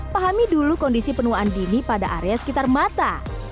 pahami dulu kondisi penuaan dini pada area sekitar mata